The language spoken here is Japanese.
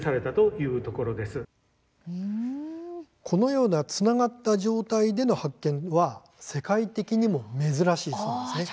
このようなつながった状態での発見は世界的にも珍しいそうです。